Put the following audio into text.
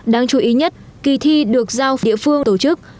đáng chú ý nhất kỳ thi được giao địa phương tổ chức